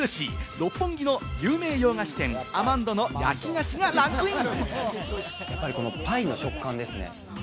六本木の有名洋菓子店・アマンドの焼き菓子がランクイン。